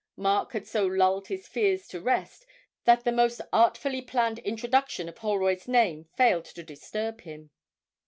Mark had so lulled his fears to rest that the most artfully planned introduction of Holroyd's name failed to disturb him.